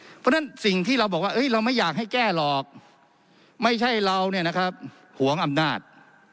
เพราะฉะนั้นสิ่งที่เราบอกว่าเราไม่อยากให้แก้หรอกไม่ใช่เราหวงอำนาจ